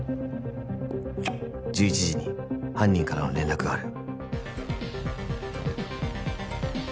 「１１時に犯人からの連絡がある」